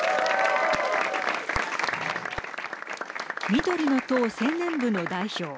緑の党、青年部の代表